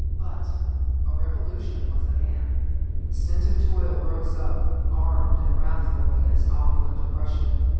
"But a revolution was at hand. Stinted toil rose up, armed and wrathful, against opulent oppression.